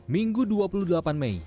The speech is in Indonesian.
minggu dua puluh delapan mei